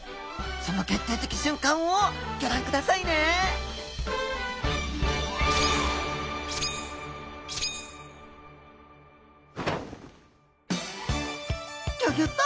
その決定的瞬間をギョ覧くださいねギョギョッと！